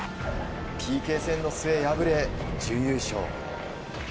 ＰＫ戦の末敗れ、準優勝。